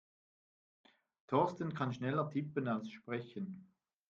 Thorsten kann schneller tippen als sprechen.